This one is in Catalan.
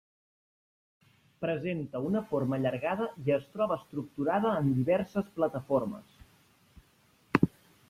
Presenta una forma allargada i es troba estructurada en diverses plataformes.